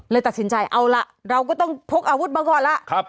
ตัดสินใจเอาล่ะเราก็ต้องพกอาวุธมาก่อนล่ะ